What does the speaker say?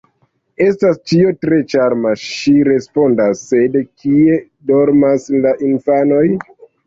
“Estas ĉio tre ĉarma”, ŝi respondas, “sed kie dormos la infanoj?”